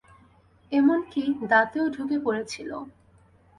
এমনকি দাঁতেও ঢুকে পড়েছিল!